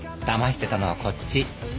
だましてたのはこっち。